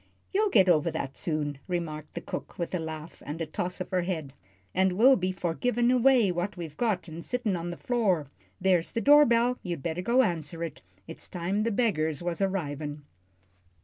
"You'll get over that soon," remarked the cook, with a laugh and a toss of her head, "and will be for givin' away what we've got an' sittin' on the floor. There's the door bell. You'd better go answer it; it's time the beggars was arrivin'."